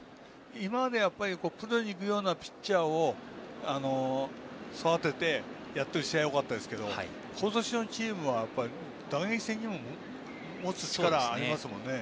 今までプロに行くようなピッチャーを育ててやっている試合はよかったですけど今年のチームは打撃戦でもね。